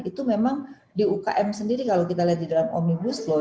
itu memang di ukm sendiri kalau kita lihat di dalam omnibus law